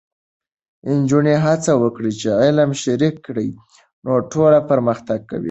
نجونې هڅه وکړي چې علم شریک کړي، نو ټولنه پرمختګ کوي.